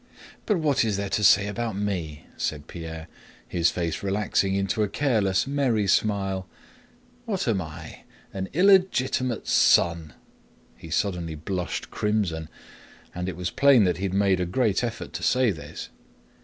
"But what is there to say about me?" said Pierre, his face relaxing into a careless, merry smile. "What am I? An illegitimate son!" He suddenly blushed crimson, and it was plain that he had made a great effort to say this.